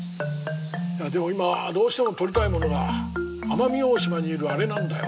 いやでも今どうしても撮りたいものが奄美大島にいるあれなんだよ。